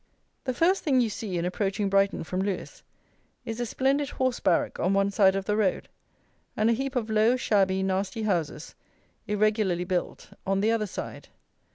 The first thing you see in approaching Brighton from Lewes is a splendid horse barrack on one side of the road, and a heap of low, shabby, nasty houses, irregularly built, on the other side.